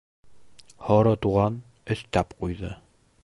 Һоро Туған өҫтәп ҡуйҙы: